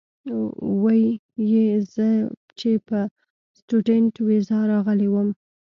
وې ئې زۀ چې پۀ سټوډنټ ويزا راغلی ووم